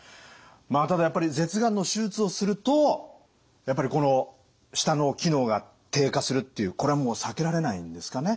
ただやっぱり舌がんの手術をするとやっぱりこの舌の機能が低下するっていうこれはもう避けられないんですかね？